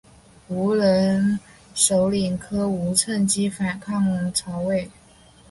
羌人首领柯吾趁机反抗曹魏。